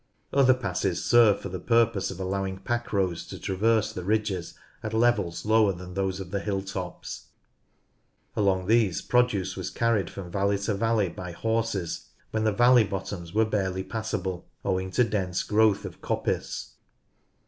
Other passes serve for the purpose of allowing pack roads to traverse the ridges at levels lower than those of the hill tops. Along these produce was carried from valley to valley by horses, when the valley bottoms were barely passable owing to dense growth of coppice.